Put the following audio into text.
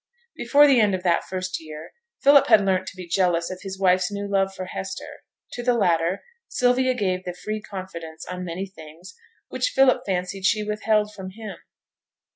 Before the end of that first year, Philip had learnt to be jealous of his wife's new love for Hester. To the latter, Sylvia gave the free confidence on many things which Philip fancied she withheld from him.